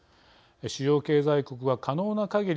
主要経済国は可能なかぎり